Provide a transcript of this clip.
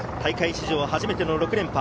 史上初めての６連覇。